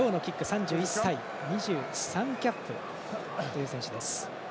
３１歳２３キャップという選手です。